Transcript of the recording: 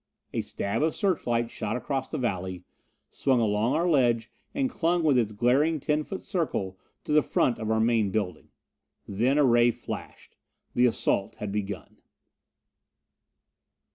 A stab of searchlight shot across the valley, swung along our ledge and clung with its glaring ten foot circle to the front of our main building. Then a ray flashed. The assault had begun!